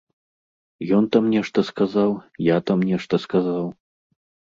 Ён там нешта сказаў, я там нешта сказаў.